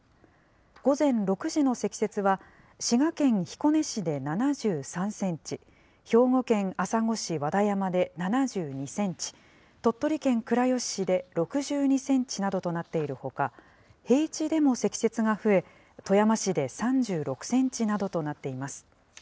午前６時の積雪は滋賀県彦根市で７３センチ、兵庫県朝来市和田山で７２センチ、鳥取県倉吉市で６２センチなどとなっているほか、平地でも積雪が増え、富山市で３６センチなどとなっています。